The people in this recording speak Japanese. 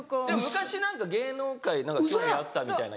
昔芸能界興味あったみたいな。